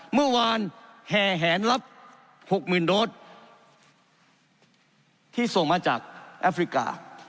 เมื่อวานแหงรับหกหมื่นโดสที่ส่งมาจากแอฟริกา